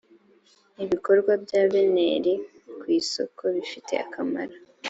ibikorwa bya beneri ku isoko bifite akamaro .